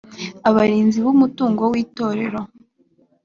abarinzi b umutungo w itorero